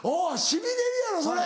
しびれるやろそれ。